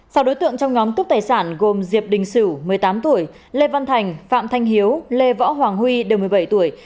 sau đối tượng trong nhóm cướp tài sản gồm diệp đình sử một mươi tám tuổi lê văn thành phạm thanh hiếu lê võ hoàng huy đều một mươi bảy tuổi